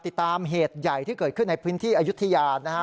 ติดตามเหตุใหญ่ที่เกิดขึ้นในพื้นที่อายุทยานะฮะ